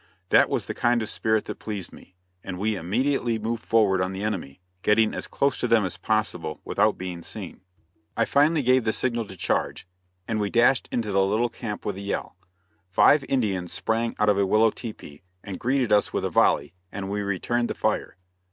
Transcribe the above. That was the kind of spirit that pleased me, and we immediately moved forward on the enemy, getting as close to them as possible without being seen. I finally gave the signal to charge, and we dashed into the little camp with a yell. Five Indians sprang out of a willow tepee, and greeted us with a volley, and we returned the fire.